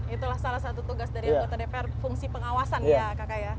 itulah salah satu tugas dari anggota dpr fungsi pengawasan ya kakak ya